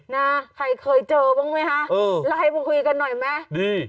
นะใครเคยเจอบ้างไหมคะไลน์มาคุยกันหน่อยไหมดี